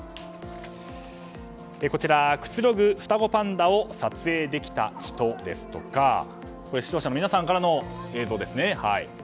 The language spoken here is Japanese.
こちら、くつろぐ双子パンダを撮影できた人ですとかこちらは視聴者の皆さんからの映像です。